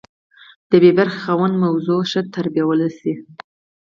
د بي برخې خاوند موضوع ښه ترتیبولی شي.